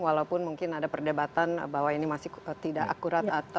walaupun mungkin ada perdebatan bahwa ini masih tidak akurat